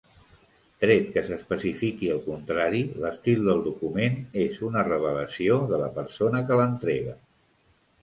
Tret que s'especifiqui el contrari, l'estil del document és una "revelació" de la persona que l'entrega.